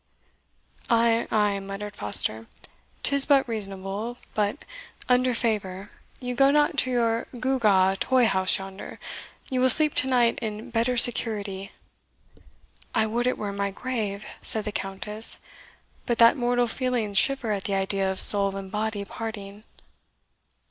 "Ay, ay," muttered Foster, "'tis but reasonable; but, under favour, you go not to your gew gaw toy house yonder you will sleep to night in better security." "I would it were in my grave," said the Countess; "but that mortal feelings shiver at the idea of soul and body parting."